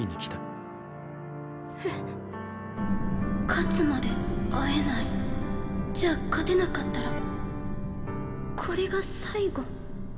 勝つまで会えないじゃあ勝てなかったらこれが最後？